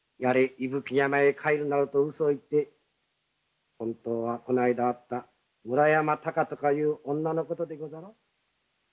伊吹山へ帰るなどとうそを言って本当はこないだ会った村山たかとかいう女のことでござろう？